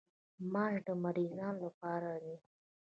ماش د مریضانو لپاره دي.